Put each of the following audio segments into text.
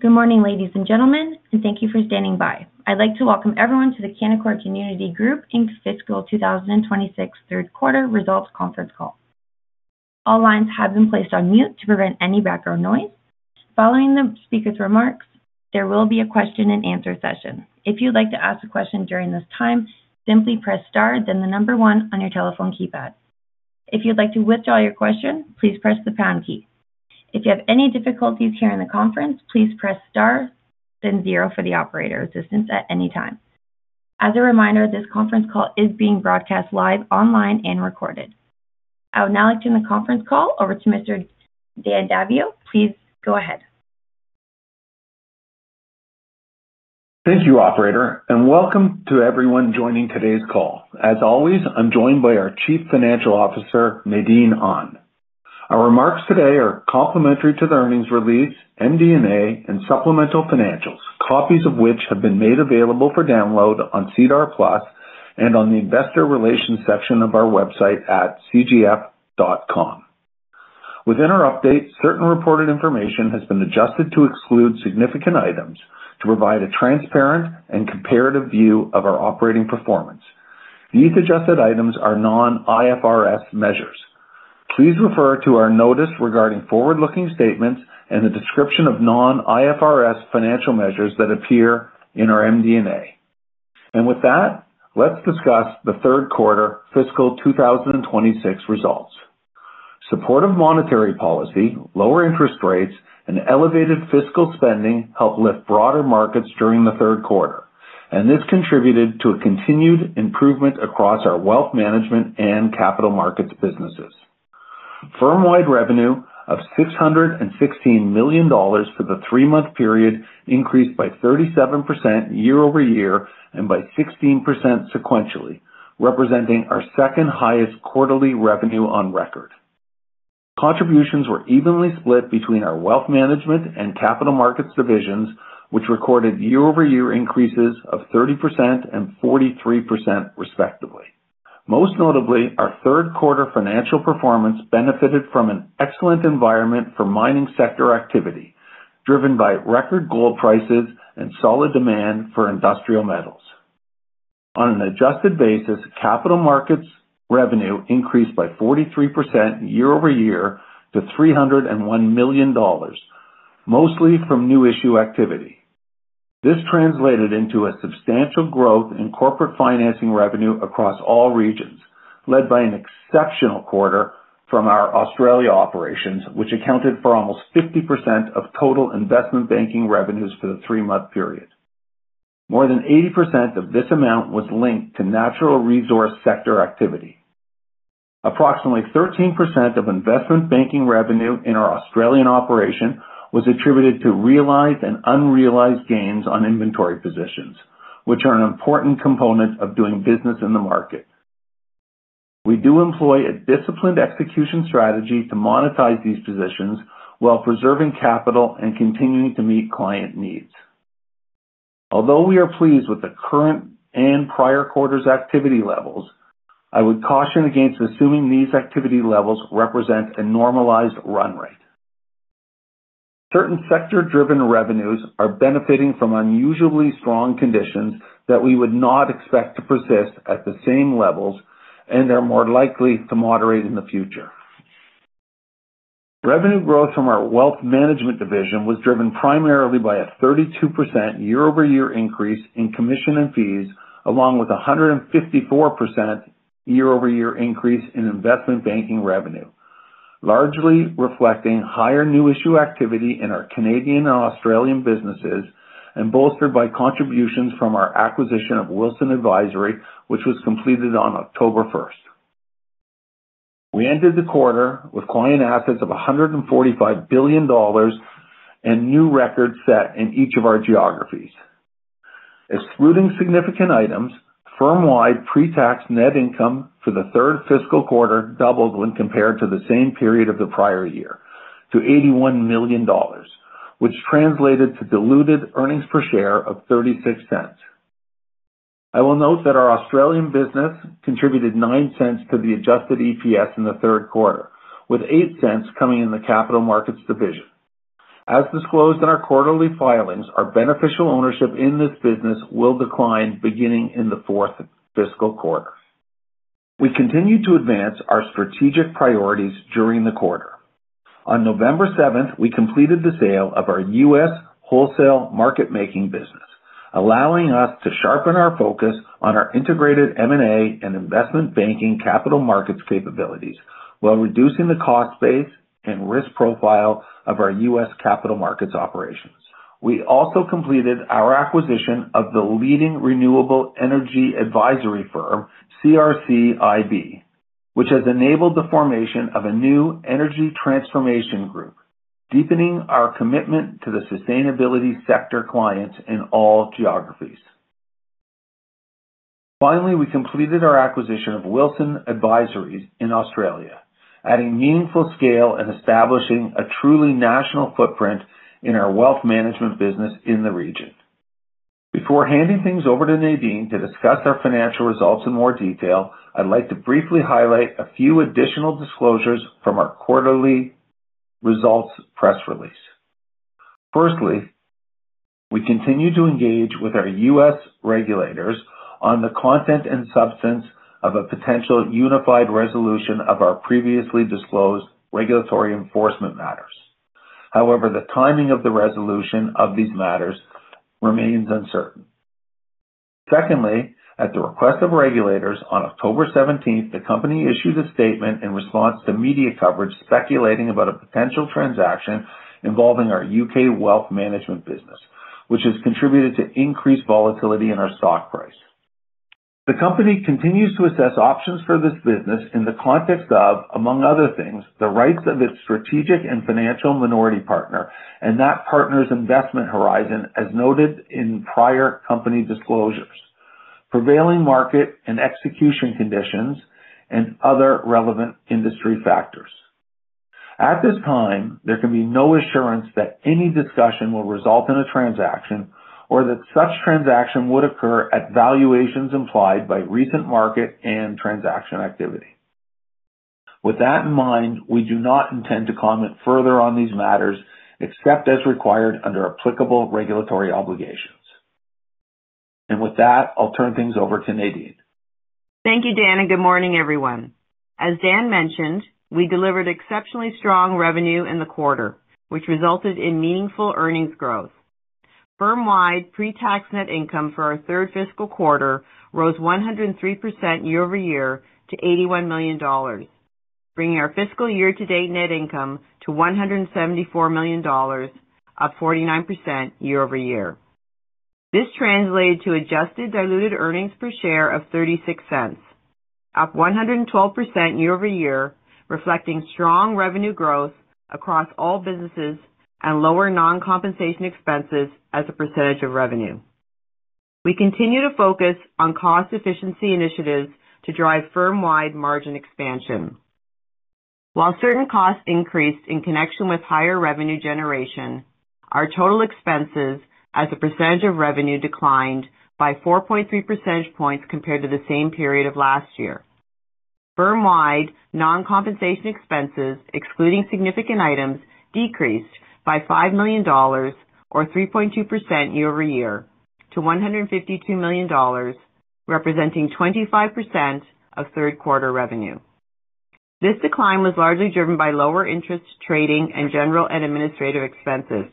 Good morning, ladies and gentlemen, and thank you for standing by. I'd like to welcome everyone to the Canaccord Genuity Group Inc.'s Fiscal 2026 third quarter results conference call. All lines have been placed on mute to prevent any background noise. Following the speaker's remarks, there will be a question and answer session. If you'd like to ask a question during this time, simply press star, then the number one on your telephone keypad. If you'd like to withdraw your question, please press the pound key. If you have any difficulties hearing the conference, please press star, then zero for the operator assistance at any time. As a reminder, this conference call is being broadcast live, online, and recorded. I would now like to turn the conference call over to Mr. Dan Daviau. Please go ahead. Thank you, operator, and welcome to everyone joining today's call. As always, I'm joined by our Chief Financial Officer, Nadine Ahn. Our remarks today are complementary to the earnings release, MD&A, and supplemental financials, copies of which have been made available for download on SEDAR+ and on the investor relations section of our website at cgf.com. Within our update, certain reported information has been adjusted to exclude significant items to provide a transparent and comparative view of our operating performance. These adjusted items are non-IFRS measures. Please refer to our notice regarding forward-looking statements and the description of non-IFRS financial measures that appear in our MD&A. And with that, let's discuss the third quarter fiscal 2026 results. Supportive monetary policy, lower interest rates, and elevated fiscal spending helped lift broader markets during the third quarter, and this contributed to a continued improvement across our Wealth Management and Capital Markets businesses. Firm-wide revenue of 616 million dollars for the three-month period increased by 37% year-over-year and by 16% sequentially, representing our second highest quarterly revenue on record. Contributions were evenly split between our Wealth Management and Capital Markets divisions, which recorded year-over-year increases of 30% and 43%, respectively. Most notably, our third quarter financial performance benefited from an excellent environment for mining sector activity, driven by record gold prices and solid demand for industrial metals. On an adjusted basis, Capital Markets revenue increased by 43% year-over-year to 301 million dollars, mostly from new issue activity. This translated into a substantial growth in corporate financing revenue across all regions, led by an exceptional quarter from our Australia operations, which accounted for almost 50% of total investment banking revenues for the three-month period. More than 80% of this amount was linked to natural resource sector activity. Approximately 13% of investment banking revenue in our Australian operation was attributed to realized and unrealized gains on inventory positions, which are an important component of doing business in the market. We do employ a disciplined execution strategy to monetize these positions while preserving capital and continuing to meet client needs. Although we are pleased with the current and prior quarter's activity levels, I would caution against assuming these activity levels represent a normalized run rate. Certain sector-driven revenues are benefiting from unusually strong conditions that we would not expect to persist at the same levels and are more likely to moderate in the future. Revenue growth from our Wealth Management division was driven primarily by a 32% year-over-year increase in commission and fees, along with a 154% year-over-year increase in investment banking revenue, largely reflecting higher new issue activity in our Canadian and Australian businesses, and bolstered by contributions from our acquisition of Wilsons Advisory, which was completed on October 1st. We ended the quarter with client assets of 145 billion dollars and new records set in each of our geographies. Excluding significant items, firm-wide pre-tax net income for the third fiscal quarter doubled when compared to the same period of the prior year to 81 million dollars, which translated to diluted earnings per share of 0.36. I will note that our Australian business contributed 0.09 to the adjusted EPS in the third quarter, with 0.08 coming in the Capital Markets division. As disclosed in our quarterly filings, our beneficial ownership in this business will decline beginning in the fourth fiscal quarter. We continued to advance our strategic priorities during the quarter. On November 7, we completed the sale of our U.S. wholesale market-making business, allowing us to sharpen our focus on our integrated M&A and investment banking capital markets capabilities, while reducing the cost base and risk profile of our U.S. capital markets operations. We also completed our acquisition of the leading renewable energy advisory firm, CRC-IB, which has enabled the formation of a new energy transformation group, deepening our commitment to the sustainability sector clients in all geographies. Finally, we completed our acquisition of Wilsons Advisory in Australia, adding meaningful scale and establishing a truly national footprint in our wealth management business in the region. Before handing things over to Nadine to discuss our financial results in more detail, I'd like to briefly highlight a few additional disclosures from our quarterly results press release. Firstly, we continue to engage with our U.S. regulators on the content and substance of a potential unified resolution of our previously disclosed regulatory enforcement matters. However, the timing of the resolution of these matters remains uncertain. Secondly, at the request of regulators, on October 17th, the company issued a statement in response to media coverage speculating about a potential transaction involving our U.K. wealth management business, which has contributed to increased volatility in our stock price. The company continues to assess options for this business in the context of, among other things, the rights of its strategic and financial minority partner and that partner's investment horizon, as noted in prior company disclosures, prevailing market and execution conditions, and other relevant industry factors. At this time, there can be no assurance that any discussion will result in a transaction or that such transaction would occur at valuations implied by recent market and transaction activity. With that in mind, we do not intend to comment further on these matters, except as required under applicable regulatory obligations. With that, I'll turn things over to Nadine. Thank you, Dan, and good morning, everyone. As Dan mentioned, we delivered exceptionally strong revenue in the quarter, which resulted in meaningful earnings growth. Firm-wide pre-tax net income for our third fiscal quarter rose 103% year-over-year to 81 million dollars, bringing our fiscal year-to-date net income to 174 million dollars, up 49% year-over-year. This translated to adjusted diluted earnings per share of 0.36, up 112% year-over-year, reflecting strong revenue growth across all businesses and lower non-compensation expenses as a percentage of revenue. We continue to focus on cost efficiency initiatives to drive firm-wide margin expansion. While certain costs increased in connection with higher revenue generation, our total expenses as a percentage of revenue declined by 4.3 percentage points compared to the same period of last year. Firm-wide non-compensation expenses, excluding significant items, decreased by 5 million dollars, or 3.2% year-over-year, to 152 million dollars, representing 25% of third quarter revenue. This decline was largely driven by lower interest, trading, and general and administrative expenses.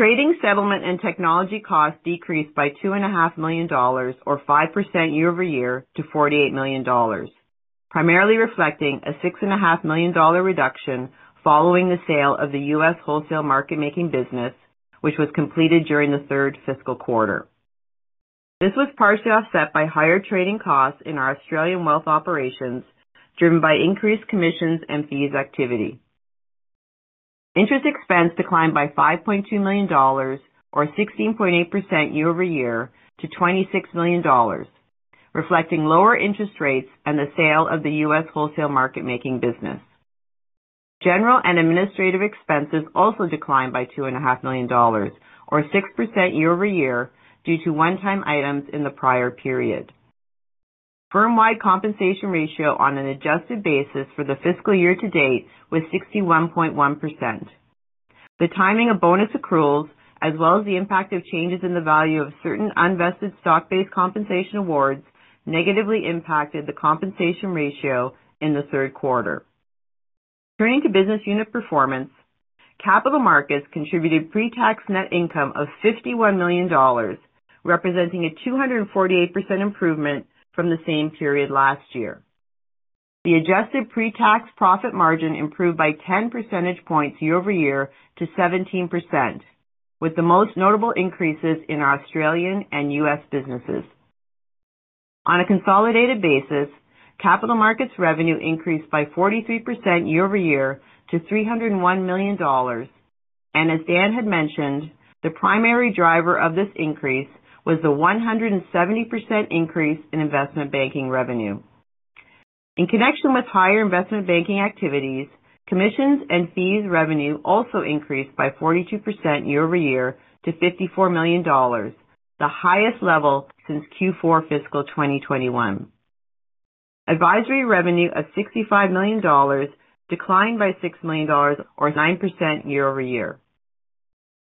Trading, settlement, and technology costs decreased by 2.5 million dollars, or 5% year-over-year, to 48 million dollars, primarily reflecting a 6.5 million dollar reduction following the sale of the U.S. wholesale market-making business, which was completed during the third fiscal quarter. This was partially offset by higher trading costs in our Australian wealth operations, driven by increased commissions and fees activity. Interest expense declined by 5.2 million dollars, or 16.8% year-over-year, to 26 million dollars, reflecting lower interest rates and the sale of the U.S. wholesale market-making business. General and administrative expenses also declined by 2.5 million dollars, or 6% year-over-year, due to one-time items in the prior period. Firm-wide compensation ratio on an adjusted basis for the fiscal year to date was 61.1%. The timing of bonus accruals, as well as the impact of changes in the value of certain unvested stock-based compensation awards, negatively impacted the compensation ratio in the third quarter. Turning to business unit performance, capital markets contributed pre-tax net income of 51 million dollars, representing a 248% improvement from the same period last year. The adjusted pre-tax profit margin improved by 10 percentage points year-over-year to 17%, with the most notable increases in our Australian and U.S. businesses. On a consolidated basis, capital markets revenue increased by 43% year-over-year to 301 million dollars. And as Dan had mentioned, the primary driver of this increase was the 170% increase in investment banking revenue. In connection with higher investment banking activities, commissions and fees revenue also increased by 42% year-over-year to 54 million dollars, the highest level since Q4 fiscal 2021. Advisory revenue of 65 million dollars declined by 6 million dollars, or 9% year-over-year.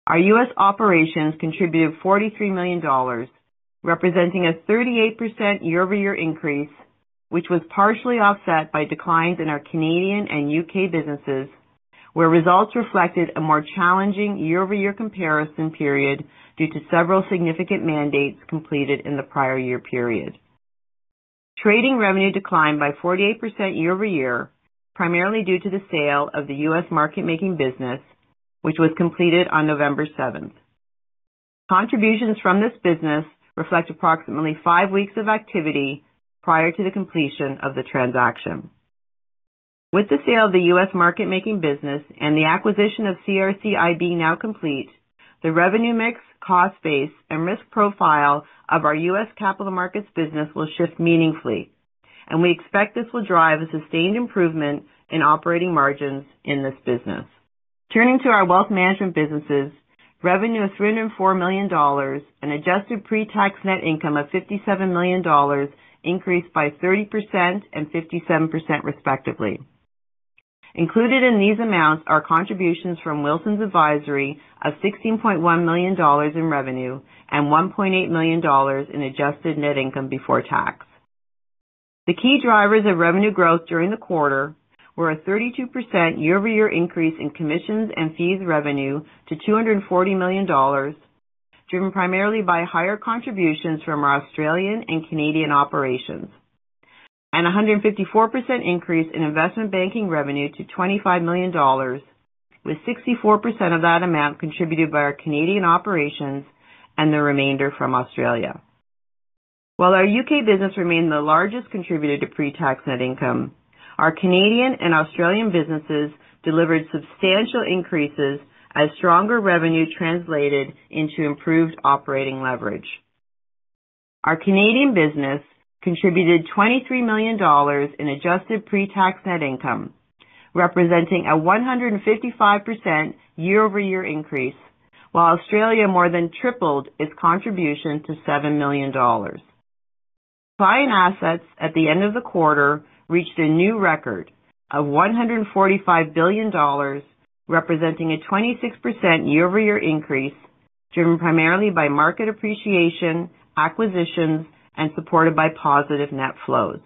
Our U.S. operations contributed $43 million, representing a 38% year-over-year increase, which was partially offset by declines in our Canadian and U.K. businesses, where results reflected a more challenging year-over-year comparison period due to several significant mandates completed in the prior year period. Trading revenue declined by 48% year-over-year, primarily due to the sale of the U.S. market-making business, which was completed on November 17th. Contributions from this business reflect approximately 5 weeks of activity prior to the completion of the transaction. With the sale of the U.S. market-making business and the acquisition of CRC-IB now complete, the revenue mix, cost base, and risk profile of our U.S. capital markets business will shift meaningfully.... and we expect this will drive a sustained improvement in operating margins in this business. Turning to our wealth management businesses, revenue of 304 million dollars, an adjusted pre-tax net income of 57 million dollars increased by 30% and 57%, respectively. Included in these amounts are contributions from Wilsons Advisory of 16.1 million dollars in revenue and 1.8 million dollars in adjusted net income before tax. The key drivers of revenue growth during the quarter were a 32% year-over-year increase in commissions and fees revenue to 240 million dollars, driven primarily by higher contributions from our Australian and Canadian operations, and a 154% increase in investment banking revenue to 25 million dollars, with 64% of that amount contributed by our Canadian operations and the remainder from Australia. While our U.K. business remained the largest contributor to pre-tax net income, our Canadian and Australian businesses delivered substantial increases as stronger revenue translated into improved operating leverage. Our Canadian business contributed 23 million dollars in adjusted pre-tax net income, representing a 155% year-over-year increase, while Australia more than tripled its contribution to 7 million dollars. Client assets at the end of the quarter reached a new record of 145 billion dollars, representing a 26% year-over-year increase, driven primarily by market appreciation, acquisitions, and supported by positive net flows.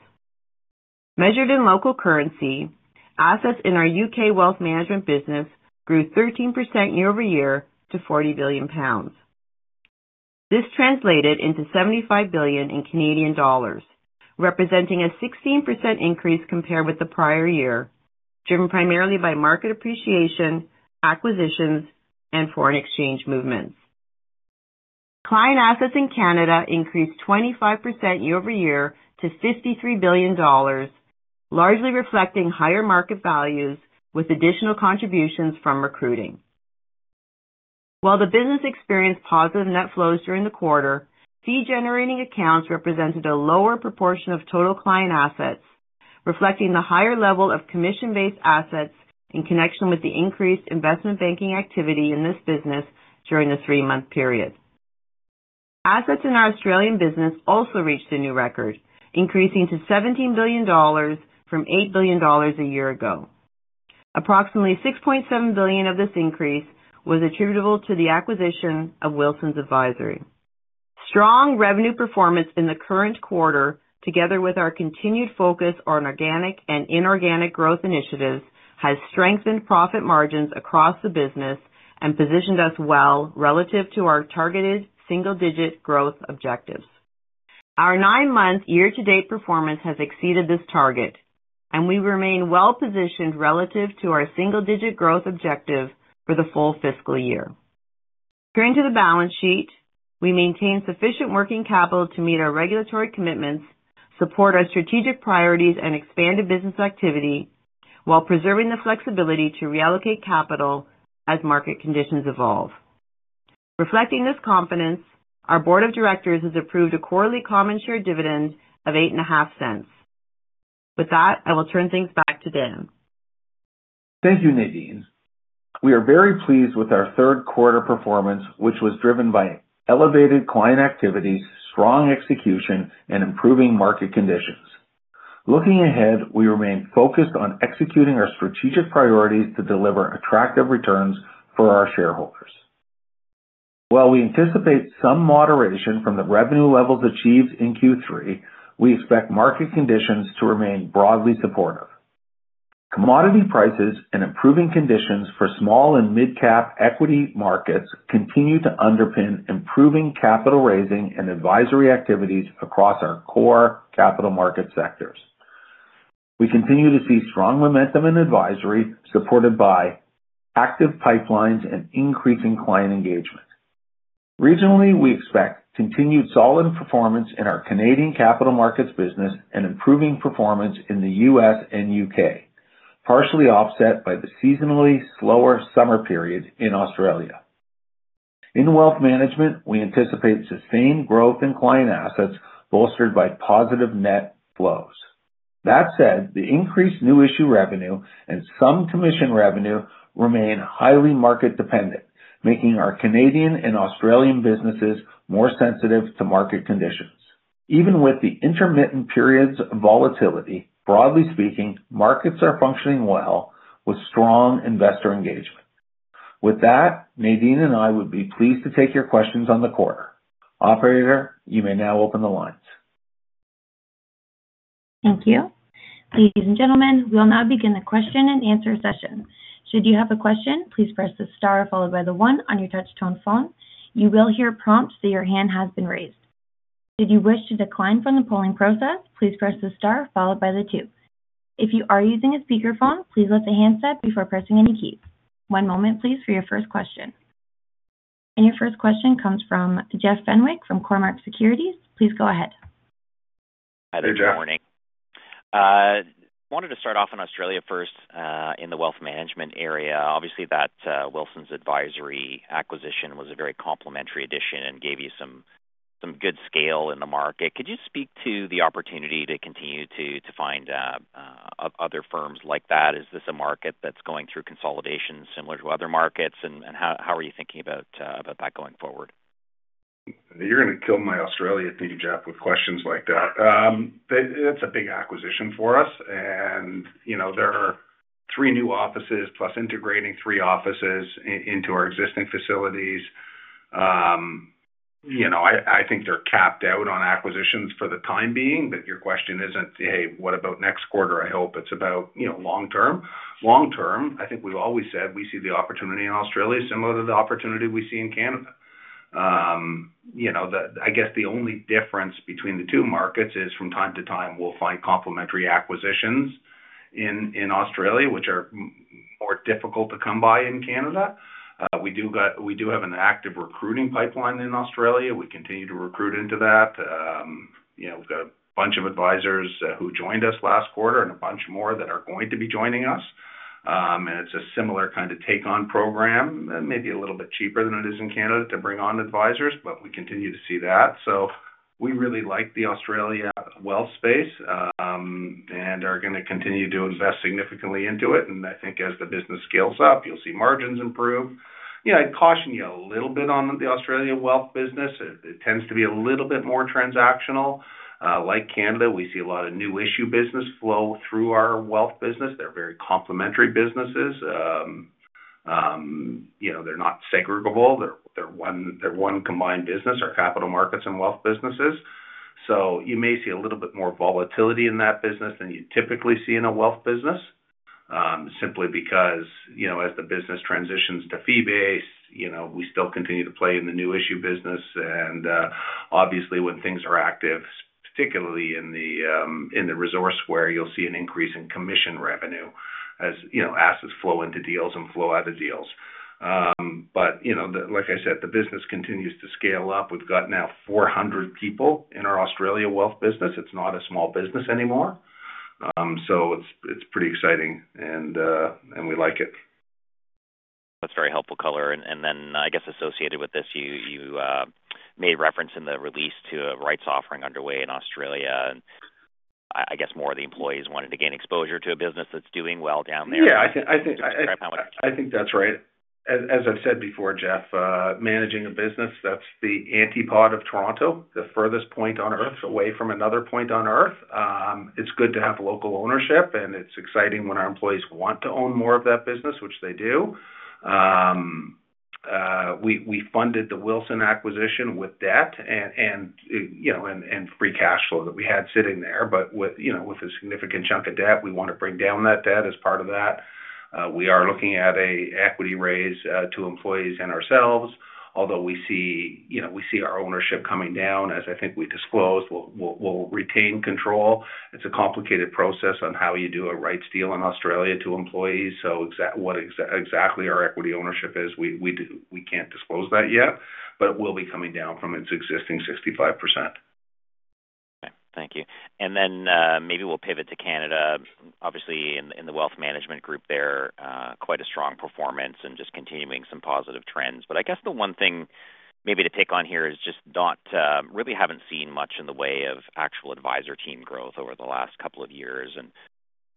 Measured in local currency, assets in our U.K. wealth management business grew 13% year-over-year to 40 billion pounds. This translated into 75 billion in Canadian dollars, representing a 16% increase compared with the prior year, driven primarily by market appreciation, acquisitions, and foreign exchange movements. Client assets in Canada increased 25% year-over-year to 53 billion dollars, largely reflecting higher market values, with additional contributions from recruiting. While the business experienced positive net flows during the quarter, fee-generating accounts represented a lower proportion of total client assets, reflecting the higher level of commission-based assets in connection with the increased investment banking activity in this business during the three-month period. Assets in our Australian business also reached a new record, increasing to 17 billion dollars from 8 billion dollars a year ago. Approximately 6.7 billion of this increase was attributable to the acquisition of Wilsons Advisory. Strong revenue performance in the current quarter, together with our continued focus on organic and inorganic growth initiatives, has strengthened profit margins across the business and positioned us well relative to our targeted single-digit growth objectives. Our nine-month year-to-date performance has exceeded this target, and we remain well positioned relative to our single-digit growth objective for the full fiscal year. Turning to the balance sheet, we maintain sufficient working capital to meet our regulatory commitments, support our strategic priorities, and expanded business activity, while preserving the flexibility to reallocate capital as market conditions evolve. Reflecting this confidence, our board of directors has approved a quarterly common share dividend of 0.085. With that, I will turn things back to Dan. Thank you, Nadine. We are very pleased with our third quarter performance, which was driven by elevated client activities, strong execution, and improving market conditions. Looking ahead, we remain focused on executing our strategic priorities to deliver attractive returns for our shareholders. While we anticipate some moderation from the revenue levels achieved in Q3, we expect market conditions to remain broadly supportive. Commodity prices and improving conditions for small- and mid-cap equity markets continue to underpin improving capital raising and advisory activities across our core capital market sectors. We continue to see strong momentum in advisory, supported by active pipelines and increasing client engagement. Regionally, we expect continued solid performance in our Canadian capital markets business and improving performance in the U.S. and U.K., partially offset by the seasonally slower summer period in Australia. In wealth management, we anticipate sustained growth in client assets, bolstered by positive net flows. That said, the increased new issue revenue and some commission revenue remain highly market dependent, making our Canadian and Australian businesses more sensitive to market conditions. Even with the intermittent periods of volatility, broadly speaking, markets are functioning well with strong investor engagement. With that, Nadine and I would be pleased to take your questions on the quarter. Operator, you may now open the lines. Thank you. Ladies and gentlemen, we'll now begin the question and answer session. Should you have a question, please press the star followed by the one on your touch tone phone. You will hear a prompt that your hand has been raised. Should you wish to decline from the polling process, please press the star followed by the two. If you are using a speakerphone, please lift the handset before pressing any keys. One moment, please, for your first question. Your first question comes from Jeff Fenwick from Cormark Securities. Please go ahead. Hi, Jeff.... Wanted to start off on Australia first, in the wealth management area. Obviously, that Wilsons Advisory acquisition was a very complementary addition and gave you some good scale in the market. Could you speak to the opportunity to continue to find other firms like that? Is this a market that's going through consolidation similar to other markets, and how are you thinking about that going forward? You're gonna kill my Australia theme, Jeff, with questions like that. But it's a big acquisition for us, and, you know, there are three new offices, plus integrating three offices into our existing facilities. You know, I think they're capped out on acquisitions for the time being, but your question isn't, "Hey, what about next quarter?" I hope it's about, you know, long term. Long term, I think we've always said we see the opportunity in Australia similar to the opportunity we see in Canada. You know, I guess the only difference between the two markets is from time to time, we'll find complementary acquisitions in Australia, which are more difficult to come by in Canada. We do have an active recruiting pipeline in Australia. We continue to recruit into that. You know, we've got a bunch of advisors who joined us last quarter and a bunch more that are going to be joining us. And it's a similar kind of take-on program, and maybe a little bit cheaper than it is in Canada to bring on advisors, but we continue to see that. So we really like the Australia wealth space, and are gonna continue to invest significantly into it. And I think as the business scales up, you'll see margins improve. Yeah, I'd caution you a little bit on the Australian wealth business. It tends to be a little bit more transactional. Like Canada, we see a lot of new issue business flow through our wealth business. They're very complementary businesses. You know, they're not segregable. They're one combined business, our capital markets and wealth businesses. So you may see a little bit more volatility in that business than you typically see in a wealth business, simply because, you know, as the business transitions to fee-based, you know, we still continue to play in the new issue business, and, obviously, when things are active, particularly in the, in the resource where you'll see an increase in commission revenue, as, you know, assets flow into deals and flow out of deals. But, you know, the, like I said, the business continues to scale up. We've got now 400 people in our Australia wealth business. It's not a small business anymore. So it's, it's pretty exciting, and, and we like it. That's very helpful, color. And then I guess associated with this, you made reference in the release to a rights offering underway in Australia, and I guess more of the employees wanted to gain exposure to a business that's doing well down there. Yeah, I think that's right. As I've said before, Jeff, managing a business that's the antipode of Toronto, the furthest point on Earth away from another point on Earth, it's good to have local ownership, and it's exciting when our employees want to own more of that business, which they do. We funded the Wilsons acquisition with debt and, you know, and free cash flow that we had sitting there. But with, you know, with a significant chunk of debt, we want to bring down that debt as part of that. We are looking at an equity raise to employees and ourselves, although we see, you know, we see our ownership coming down, as I think we disclosed. We'll retain control. It's a complicated process on how you do a rights deal in Australia to employees. So exactly our equity ownership is, we can't disclose that yet, but it will be coming down from its existing 65%. Okay, thank you. And then, maybe we'll pivot to Canada. Obviously, in the wealth management group there, quite a strong performance and just continuing some positive trends. But I guess the one thing maybe to take on here is just not really haven't seen much in the way of actual advisor team growth over the last couple of years. And,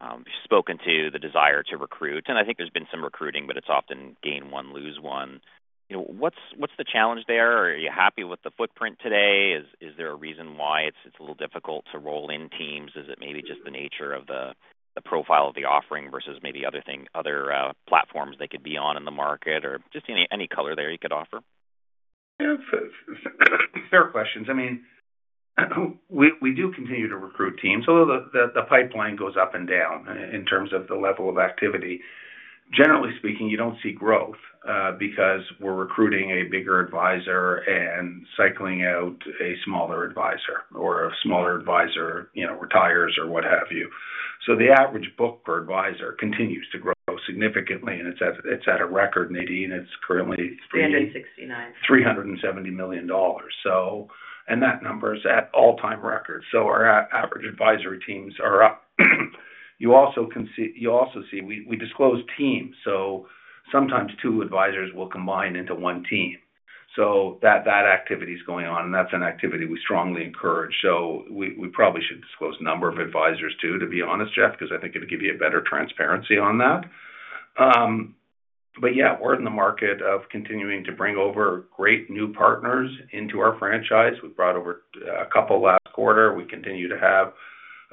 you've spoken to the desire to recruit, and I think there's been some recruiting, but it's often gain one, lose one. You know, what's the challenge there? Are you happy with the footprint today? Is there a reason why it's a little difficult to roll in teams? Is it maybe just the nature of the profile of the offering versus maybe other thing- other platforms they could be on in the market? Or just any color there you could offer? Yeah, fair questions. I mean, we do continue to recruit teams, so the pipeline goes up and down in terms of the level of activity. Generally speaking, you don't see growth because we're recruiting a bigger advisor and cycling out a smaller advisor, or a smaller advisor, you know, retires or what have you. So the average book per advisor continues to grow significantly, and it's at a record, Nadine. It's currently- 369. 370 million dollars. That number is at all-time record, so our average advisory teams are up. You also can see we disclose teams, so sometimes two advisors will combine into one team. So that activity is going on, and that's an activity we strongly encourage. So we probably should disclose number of advisors, too, to be honest, Jeff, 'cause I think it'll give you a better transparency on that. But yeah, we're in the market of continuing to bring over great new partners into our franchise. We brought over a couple last quarter. We continue to have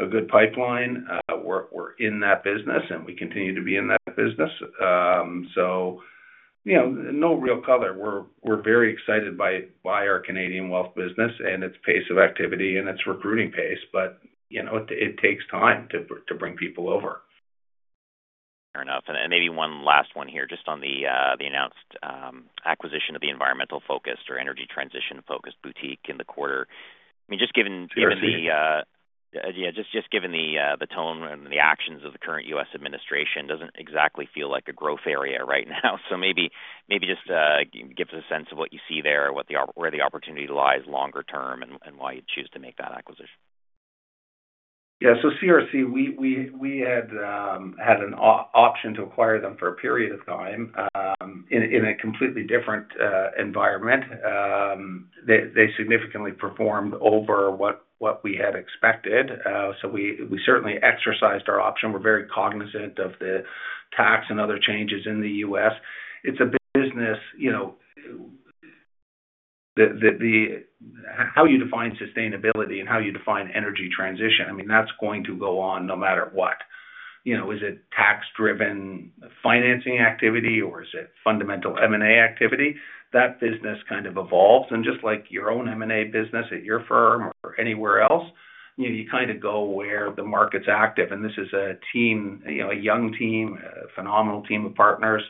a good pipeline. We're in that business, and we continue to be in that business. So, you know, no real color. We're very excited by our Canadian wealth business and its pace of activity and its recruiting pace, but you know, it takes time to bring people over. Fair enough. And then maybe one last one here, just on the announced acquisition of the environmental-focused or energy transition-focused boutique in the quarter. I mean, just given- CRC? Yeah, just given the tone and the actions of the current U.S. administration doesn't exactly feel like a growth area right now. So maybe just give us a sense of what you see there, where the opportunity lies longer term and why you'd choose to make that acquisition. ... Yeah. So CRC, we had an option to acquire them for a period of time in a completely different environment. They significantly performed over what we had expected. So we certainly exercised our option. We're very cognizant of the tax and other changes in the U.S. It's a business, you know, the how you define sustainability and how you define energy transition, I mean, that's going to go on no matter what. You know, is it tax-driven financing activity, or is it fundamental M&A activity? That business kind of evolves. And just like your own M&A business at your firm or anywhere else, you know, you kind of go where the market's active. This is a team, you know, a young team, a phenomenal team of partners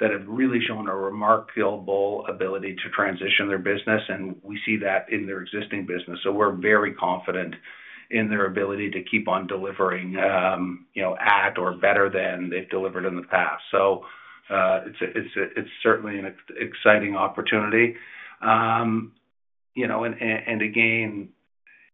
that have really shown a remarkable ability to transition their business, and we see that in their existing business. So we're very confident in their ability to keep on delivering, you know, at or better than they've delivered in the past. So, it's certainly an exciting opportunity. You know, and again,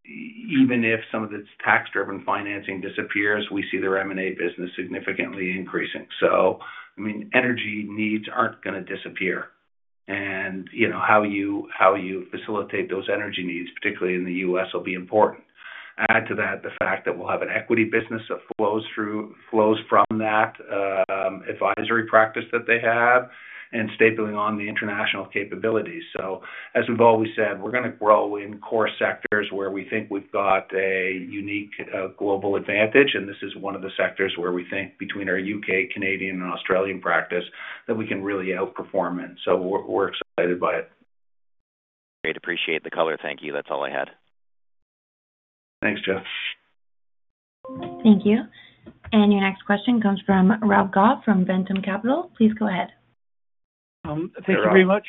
even if some of its tax-driven financing disappears, we see their M&A business significantly increasing. So, I mean, energy needs aren't going to disappear. And, you know, how you facilitate those energy needs, particularly in the U.S., will be important. Add to that the fact that we'll have an equity business that flows from that advisory practice that they have, and stapling on the international capabilities. So as we've always said, we're going to grow in core sectors where we think we've got a unique, global advantage, and this is one of the sectors where we think between our U.K., Canadian, and Australian practice, that we can really outperform in. So we're excited by it. Great. Appreciate the color. Thank you. That's all I had. Thanks, Jeff. Thank you. And your next question comes from Rob Goff from Ventum Capital. Please go ahead. Thank you very much.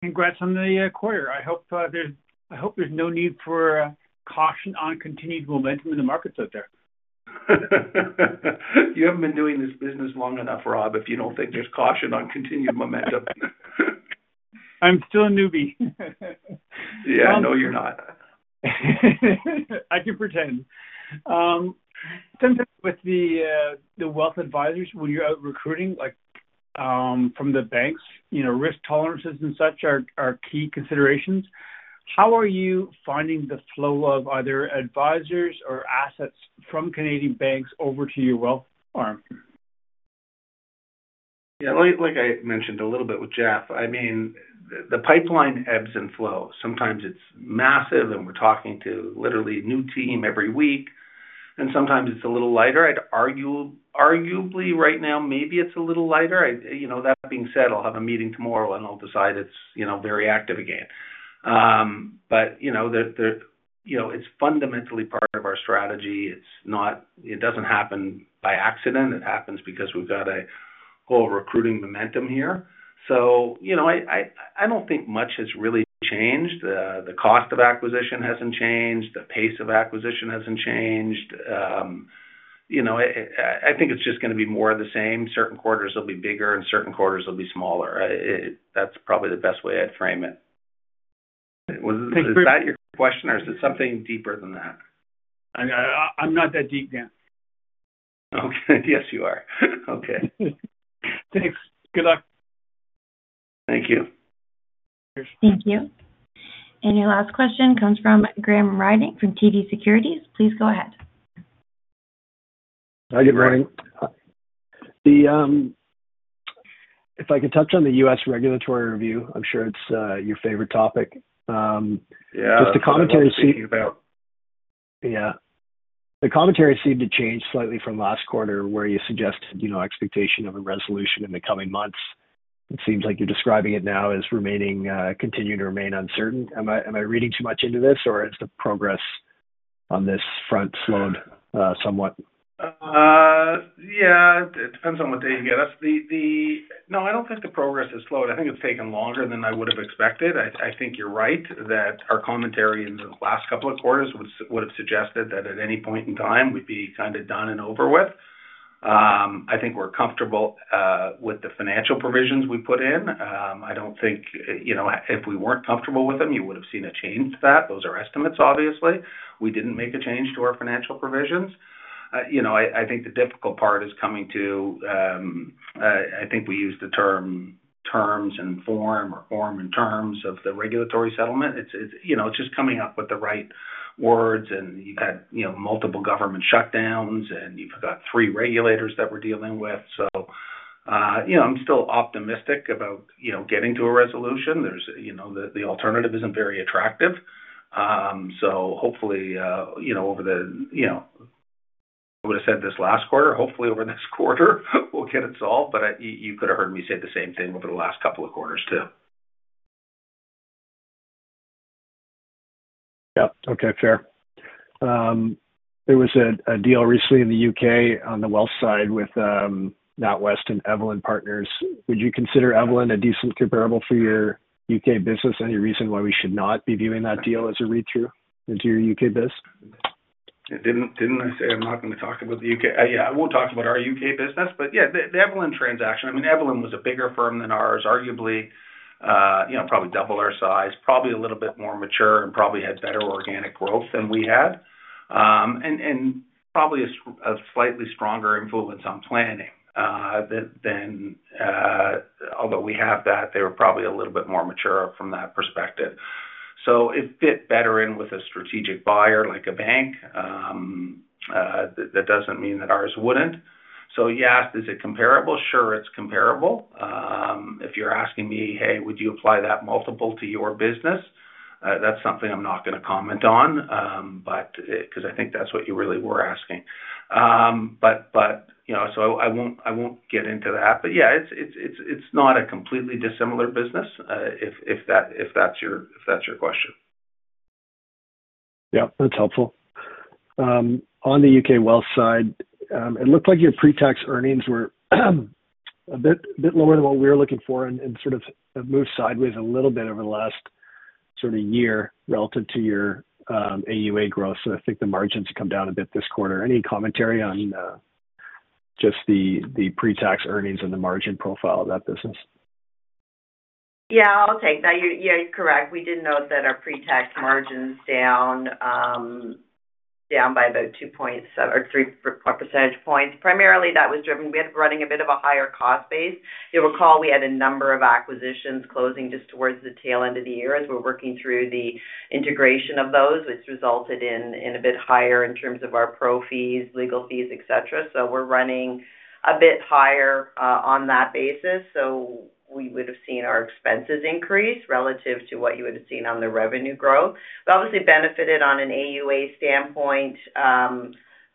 Congrats on the quarter. I hope there's no need for caution on continued momentum in the markets out there. You haven't been doing this business long enough, Rob, if you don't think there's caution on continued momentum. I'm still a newbie. Yeah. No, you're not. I can pretend. Sometimes with the wealth advisors, when you're out recruiting, like, from the banks, you know, risk tolerances and such are key considerations. How are you finding the flow of either advisors or assets from Canadian banks over to your wealth arm? Yeah, like, like I mentioned a little bit with Jeff, I mean, the pipeline ebbs and flows. Sometimes it's massive, and we're talking to literally a new team every week, and sometimes it's a little lighter. I'd argue, arguably right now, maybe it's a little lighter. I, you know, that being said, I'll have a meeting tomorrow, and I'll decide it's, you know, very active again. But, you know, the, you know, it's fundamentally part of our strategy. It's not... It doesn't happen by accident. It happens because we've got a whole recruiting momentum here. So, you know, I, I don't think much has really changed. The cost of acquisition hasn't changed. The pace of acquisition hasn't changed. You know, I think it's just going to be more of the same. Certain quarters will be bigger, and certain quarters will be smaller. It—that's probably the best way I'd frame it. Is that your question, or is it something deeper than that? I'm not that deep down. Okay. Yes, you are. Okay. Thanks. Good luck. Thank you. Thank you. And your last question comes from Graham Ryding from TD Securities. Please go ahead. Hi, Graham. If I could touch on the U.S. regulatory review, I'm sure it's your favorite topic. Yeah. Just the commentary- Speaking about. Yeah. The commentary seemed to change slightly from last quarter, where you suggested, you know, expectation of a resolution in the coming months. It seems like you're describing it now as remaining, continuing to remain uncertain. Am I, am I reading too much into this, or has the progress on this front slowed, somewhat? Yeah, it depends on what day you get us. No, I don't think the progress has slowed. I think it's taken longer than I would have expected. I think you're right, that our commentary in the last couple of quarters would have suggested that at any point in time, we'd be kind of done and over with. I think we're comfortable with the financial provisions we put in. I don't think, you know, if we weren't comfortable with them, you would have seen a change to that. Those are estimates obviously. We didn't make a change to our financial provisions. You know, I think the difficult part is coming to, I think we use the term, terms and form or form and terms of the regulatory settlement. It's, you know, it's just coming up with the right words, and you've got, you know, multiple government shutdowns, and you've got three regulators that we're dealing with. So, you know, I'm still optimistic about, you know, getting to a resolution. There's, you know, the alternative isn't very attractive. So hopefully, you know, over the, you know, I would have said this last quarter, hopefully over this quarter, we'll get it solved. But you could have heard me say the same thing over the last couple of quarters, too. Yeah. Okay, fair. There was a deal recently in the U.K. on the wealth side with NatWest and Evelyn Partners. Would you consider Evelyn a decent comparable for your U.K. business? Any reason why we should not be viewing that deal as a read-through into your U.K. biz? Didn't I say I'm not going to talk about the U.K.? Yeah, I won't talk about our U.K. business, but yeah, the Evelyn transaction, I mean, Evelyn was a bigger firm than ours, arguably, you know, probably double our size, probably a little bit more mature, and probably had better organic growth than we had. And probably a slightly stronger influence on planning than. Although we have that, they were probably a little bit more mature from that perspective. So it fit better in with a strategic buyer, like a bank. That doesn't mean that ours wouldn't. So, yes, is it comparable? Sure, it's comparable. If you're asking me, "Hey, would you apply that multiple to your business?" that's something I'm not going to comment on, but because I think that's what you really were asking. But you know, so I won't get into that. But yeah, it's not a completely dissimilar business, if that's your question. Yeah, that's helpful. On the U.K. wealth side, it looked like your pre-tax earnings were a bit lower than what we were looking for and sort of moved sideways a little bit over the last sort of year relative to your AUA growth. So I think the margins come down a bit this quarter. Any commentary on just the pre-tax earnings and the margin profile of that business? Yeah, I'll take that. Yeah, you're correct. We did note that our pre-tax margins down by about two or three percentage points. Primarily, that was driven... We have been running a bit of a higher cost base. You'll recall we had a number of acquisitions closing just towards the tail end of the year as we're working through the integration of those, which resulted in a bit higher in terms of our pro fees, legal fees, et cetera. So we're running a bit higher on that basis. So we would have seen our expenses increase relative to what you would have seen on the revenue growth. We obviously benefited on an AUA standpoint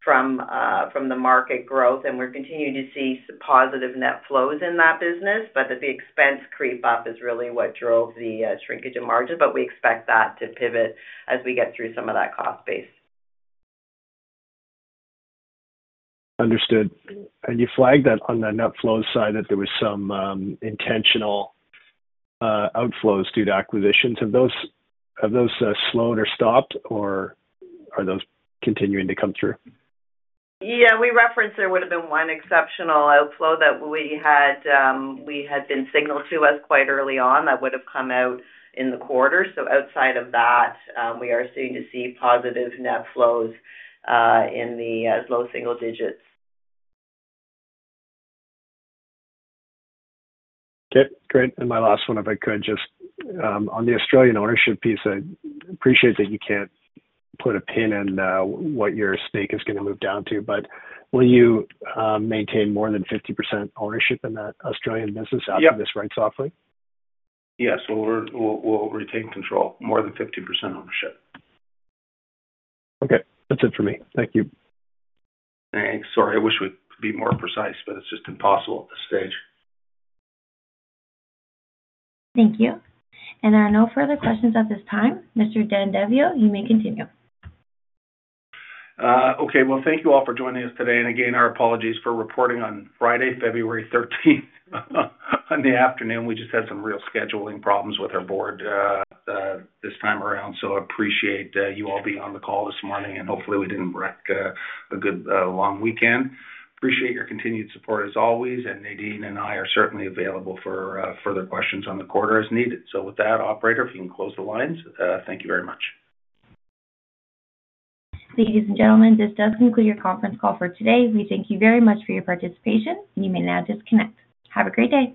from the market growth, and we're continuing to see some positive net flows in that business. But the expense creep up is really what drove the shrinkage in margins, but we expect that to pivot as we get through some of that cost base. Understood. You flagged that on the net flow side, that there was some intentional outflows due to acquisitions. Have those slowed or stopped, or are those continuing to come through? Yeah, we referenced there would have been one exceptional outflow that we had, we had been signaled to us quite early on. That would have come out in the quarter. So outside of that, we are starting to see positive net flows, in the low single digits. Okay, great. And my last one, if I could, just on the Australian ownership piece, I appreciate that you can't put a pin in what your stake is going to move down to, but will you maintain more than 50% ownership in that Australian business- Yeah. After this rights offering? Yes, we'll retain control, more than 50% ownership. Okay. That's it for me. Thank you. Thanks. Sorry, I wish we could be more precise, but it's just impossible at this stage. Thank you. There are no further questions at this time. Mr. Dan Daviau, you may continue. Okay. Well, thank you all for joining us today. And again, our apologies for reporting on Friday, February 13, in the afternoon. We just had some real scheduling problems with our board this time around. So I appreciate you all being on the call this morning, and hopefully, we didn't wreck a good long weekend. Appreciate your continued support as always, and Nadine and I are certainly available for further questions on the quarter as needed. So with that, operator, if you can close the lines. Thank you very much. Ladies and gentlemen, this does conclude your conference call for today. We thank you very much for your participation. You may now disconnect. Have a great day.